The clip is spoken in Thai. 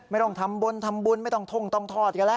ไม่ต้องทำบุญทำบุญไม่ต้องท่งต้องทอดกันแล้ว